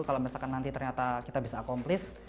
kalau misalkan nanti ternyata kita bisa akomplist